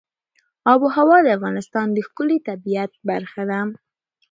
آب وهوا د افغانستان د ښکلي طبیعت برخه ده.